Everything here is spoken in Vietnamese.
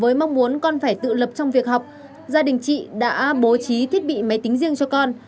với mong muốn con phải tự lập trong việc học gia đình chị đã bố trí thiết bị máy tính riêng cho con